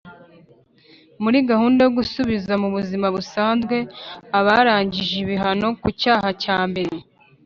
Muri gahunda yo gusubiza mu buzima busanzwe abarangije ibihano ku cyaha cyambere